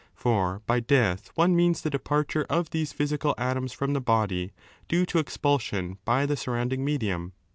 For by death one means the departure of these psychical atonus from the body due 5 to expulsion by the surrounding medium.